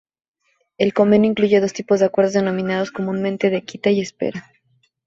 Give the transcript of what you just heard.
El convenio incluye dos tipos de acuerdos denominados comúnmente de "quita" y "espera".